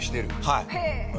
はい。